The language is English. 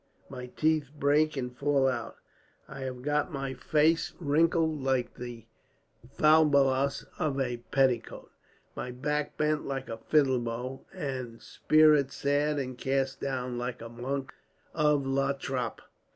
My teeth break and fall out. I have got my face wrinkled like the falbalas of a petticoat, my back bent like a fiddle bow, and spirit sad and cast down like a monk of La Trappe.